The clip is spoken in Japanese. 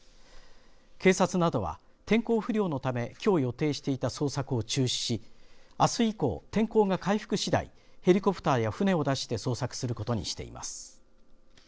警察などは天候不良のためきょう予定していた捜索を中止しあす以降、天候が回復次第ヘリコプターや船を出して捜索することにしています。